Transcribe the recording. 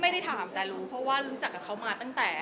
ไม่ได้ถามแต่รู้เพราะว่ารู้จักกับเขามาตั้งแต่